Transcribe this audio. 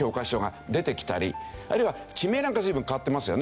あるいは地名なんか随分変わってますよね。